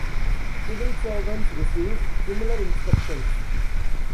Civil servants received similar instructions.